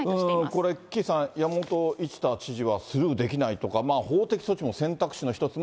これ、岸さん、山本一太知事はするーできないとか法的措置も選択肢の一つ。